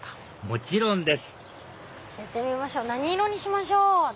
もちろんです何色にしましょう？